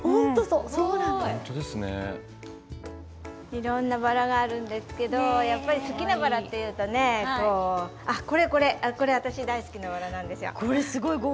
いろんなバラがあるんですけどやっぱり好きなバラっていうとね、こうあっこれこれこれ私大好きなバラなんですよ。